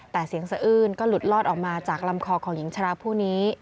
แต่เสียงสะอื้นก็หลุดลอดออกมาจากลำคอของหญิงชราผู้นี้